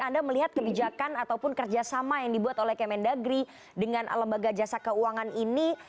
anda melihat kebijakan ataupun kerjasama yang dibuat oleh kemendagri dengan lembaga jasa keuangan ini